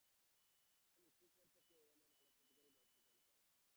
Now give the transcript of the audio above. তাঁর মৃত্যুর পর থেকে এম এ মালেক পত্রিকাটির সম্পাদনার দায়িত্ব গ্রহণ করেন।